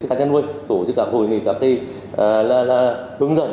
thức ăn chăn nuôi tổ chức các hội nghị các thị là hướng dẫn